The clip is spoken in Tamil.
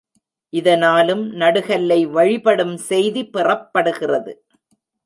இதனாலும் நடுகல்லை வழிபடும் செய்தி பெறப்படுகிறது.